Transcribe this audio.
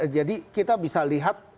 jadi kita bisa lihat